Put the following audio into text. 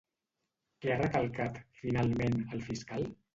Què ha recalcat, finalment, el fiscal?